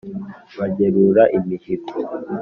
bagerura imihigo"